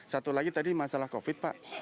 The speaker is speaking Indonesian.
satu lagi tadi masalah covid pak